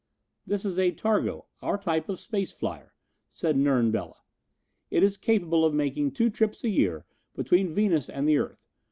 "This is a targo, our type of space flyer," said Nern Bela. "It is capable of making two trips a year between Venus and the earth.